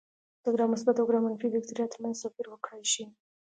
د ګرام مثبت او ګرام منفي بکټریا ترمنځ توپیر وکړای شي.